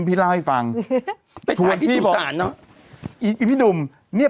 เป็นการกระตุ้นการไหลเวียนของเลือด